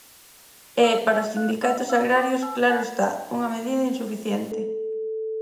É, para os sindicatos agrarios, claro está, unha medida insuficiente.